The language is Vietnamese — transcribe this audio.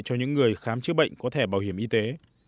cho những người khám chữa bệnh có thẻ bảo hiểm y tế